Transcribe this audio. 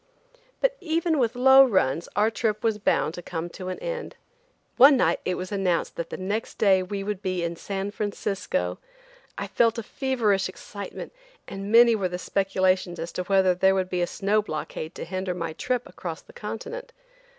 But even with low runs our trip was bound to come to an end. One night it was announced that the next day we would be in San Francisco. I felt a feverish excitement, and many were the speculations as to whether there would be a snow blockade to hinder my trip across the Continent.